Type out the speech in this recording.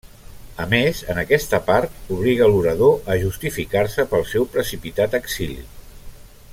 A més en aquesta part obliga l’orador a justificar-se pel seu precipitat exili.